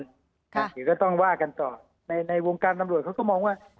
เดี๋ยวก็ต้องว่ากันต่อในวงการตำรวจเขาก็มองว่า